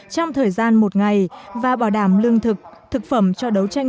trong thời gian một ngày và bảo đảm lương thực thực phẩm cho đấu tranh